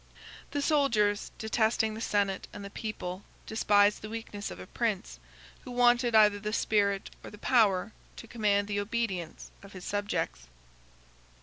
The soldiers, detesting the senate and the people, despised the weakness of a prince, who wanted either the spirit or the power to command the obedience of his subjects.